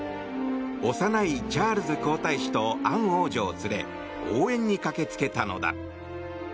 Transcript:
幼いチャールズ皇太子とアン王女を連れ応援に駆け付けたのだ。